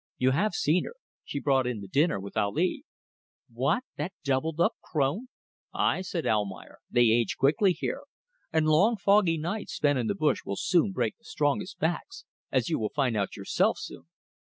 You have seen her. She brought in the dinner with Ali." "What! That doubled up crone?" "Ah!" said Almayer. "They age quickly here. And long foggy nights spent in the bush will soon break the strongest backs as you will find out yourself soon."